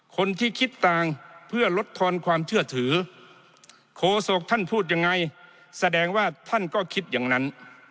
คนที่คิดต่างเพื่อลดทอนความเชื่อถือโคศกท่านพูดยังไงแสดงว่าท่านก็คิดอย่างนั้น